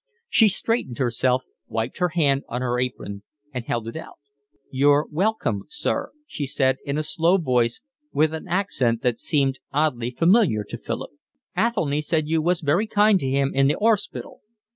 She straightened herself, wiped her hand on her apron, and held it out. "You're welcome, sir," she said, in a slow voice, with an accent that seemed oddly familiar to Philip. "Athelny said you was very kind to him in the 'orspital."